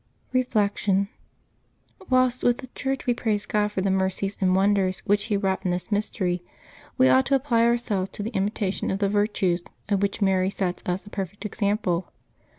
Reflection. — Whilst with the Church we praise God for the mercies and wonders which He wrought in this mystery, we ought to apply ourselves to the imitation of the virtues of which Mary sets us a perfect example.